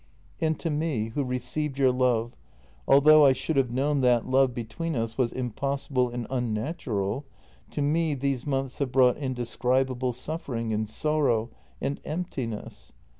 " And to me, who received your love, although I should have known that love between us was impossible and unnatural, to me these months have brought indescribable suffering and sor row and — emptiness.